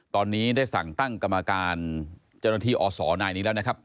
ตอนนี้ได้สั่งตั้งกรรมการเจ้าหน้าที่อศนายนี้แล้วนะครับ